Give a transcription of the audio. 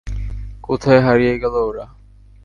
কোথায় হারিয়ে গেল ওরা।